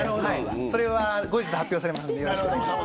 それは後日発表されますので、よろしくお願いします。